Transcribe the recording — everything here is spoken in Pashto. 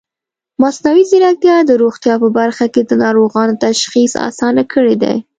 مصنوعي ځیرکتیا د روغتیا په برخه کې د ناروغانو تشخیص اسانه کړی دی.